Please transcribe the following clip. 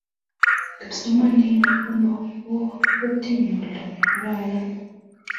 kipsomaninik komokotin oldo nekararan